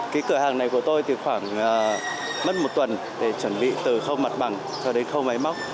cái cửa hàng này của tôi thì khoảng mất một tuần để chuẩn bị từ khâu mặt bằng cho đến khâu máy móc